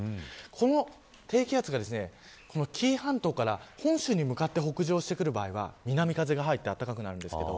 この低気圧が紀伊半島から本州に向かって北上してくる場合は南風が入って暖かくなります。